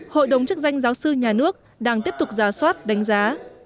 hội đồng chức danh giáo sư nhà nước đang tiếp tục giả soát đánh giá